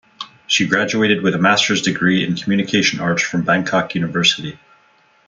She graduated with a master's degree in communication arts from Bangkok University.